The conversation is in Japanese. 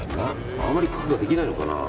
あまり九九ができないのかな。